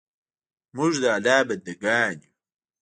موږ د الله ج بندګان یو